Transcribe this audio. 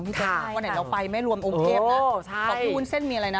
วันไหนเราไปไม่รวมองค์เทพนะเขาพูดวุ้นเส้นมีอะไรนะ